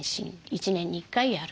１年に１回やると。